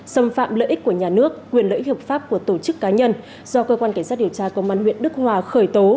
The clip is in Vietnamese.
xâm phạm lợi ích của nhà nước quyền lợi ích hợp pháp của tổ chức cá nhân do cơ quan cảnh sát điều tra công an huyện đức hòa khởi tố